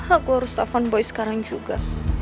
aku harus afan boy sekarang juga